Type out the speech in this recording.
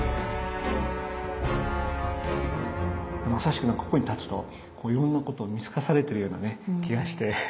まさしくここに立つといろんなことを見透かされてるようなね気がして。